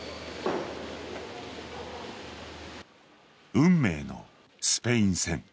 運命のスペイン戦。